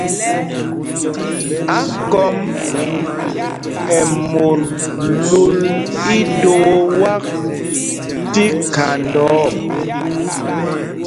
Ákɔm ɛ́ mot lul ídoo wak tí khanda ɔ.